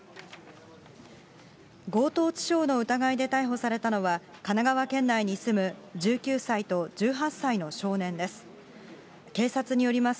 強盗致傷の疑いで逮捕されたのは、神奈川県内に住む１９歳と１８歳の少年です。